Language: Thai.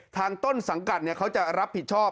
ต้นสังกัดเขาจะรับผิดชอบ